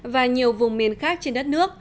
và nhiều vùng miền khác trên đất nước